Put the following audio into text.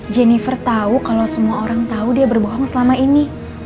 jennifer tahu kalau semua orang tahu dia berbohong selama ini